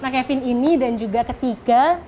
nah kevin ini dan juga ketiga